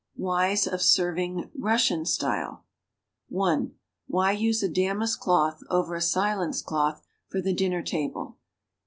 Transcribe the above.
WHYS OF SERVING (RUSSIAN STYLE) (1) Why use a damask cloth (over a silence cloth) for the dinner table?